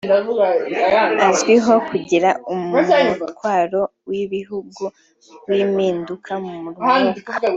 Azwiho kugira umutwaro w’ibihugu w’impinduka mu mwuka